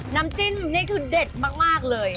น้ำจิ้มนี่คือเด็ดมากเลย